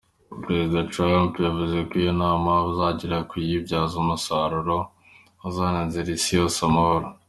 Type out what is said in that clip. Perezida Trump yavuze ko iyo nama bazagerageza kuyibyaza umusaruro uzazanira isi yose amahoro.